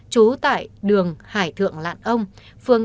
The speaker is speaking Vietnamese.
chú tại đường hải thượng lạn ông